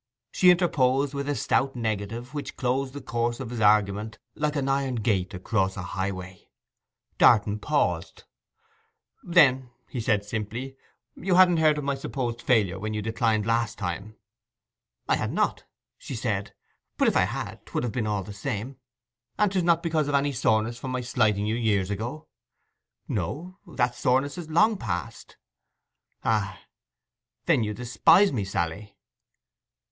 She interposed with a stout negative, which closed the course of his argument like an iron gate across a highway. Darton paused. 'Then,' said he simply, 'you hadn't heard of my supposed failure when you declined last time?' 'I had not,' she said. 'But if I had 'twould have been all the same.' 'And 'tis not because of any soreness from my slighting you years ago?' 'No. That soreness is long past.' 'Ah—then you despise me, Sally?